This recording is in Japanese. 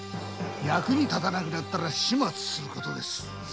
役に立たなくなったら始末することですよ。